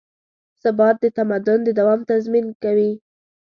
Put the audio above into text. ثبات د تمدن د دوام تضمین کوي.